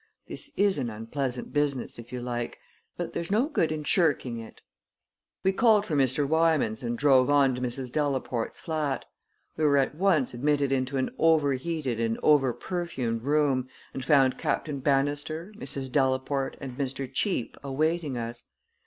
This is an unpleasant business, if you like; but there's no good in shirking it." We called for Mr. Wymans and drove on to Mrs. Delaporte's flat. We were at once admitted into an overheated and overperfumed room and found Captain Bannister, Mrs. Delaporte, and Mr. Cheape awaiting us.